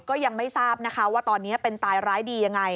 ก็ยังไม่ทราบนะคะว่าตอนนี้เป็นตายร้ายดียังไง